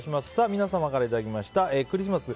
皆様からいただきましたクリスマス！